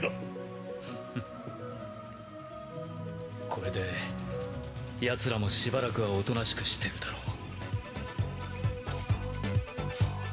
これでヤツらもしばらくはおとなしくしてるだろう。